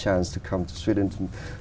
chúng ta là một quốc gia đơn giản đơn giản